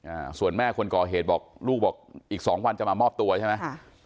อ่าส่วนแม่คนก่อเหตุบอกลูกบอกอีกสองวันจะมามอบตัวใช่ไหมค่ะ